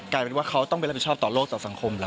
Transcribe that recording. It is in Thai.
กลายเป็นว่าเขาต้องไปรับผิดชอบต่อโลกต่อสังคมแล้ว